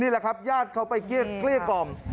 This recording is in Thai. นี่แหละครับญาติเขาไปเกลี้ยกล่อม